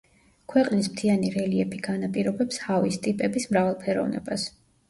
ქვეყნის მთიანი რელიეფი განაპირობებს ჰავის ტიპების მრავალფეროვნებას.